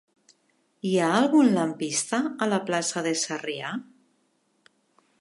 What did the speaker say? Hi ha algun lampista a la plaça de Sarrià?